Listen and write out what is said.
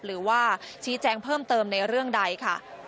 หรือว่าชี้แจงเพิ่มเติมในเรื่องใดค่ะ